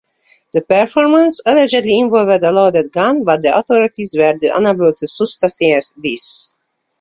The performance allegedly involved a loaded gun, but authorities were unable to substantiate this.